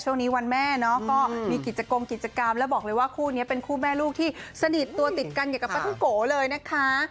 ช่วงนี้วันแม่เนาะก็มีกิจกงกิจกรรมแล้วบอกเลยว่าคู่นี้เป็นคู่แม่ลูกที่สนิทตัวติดกันเกี่ยวกับปลาท่องโกเลยนะคะ